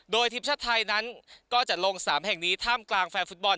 โดยทีมชาติไทยนั้นก็จะลงสนามแห่งนี้ท่ามกลางแฟนฟุตบอล